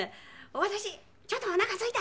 「私ちょっとおなかすいた！」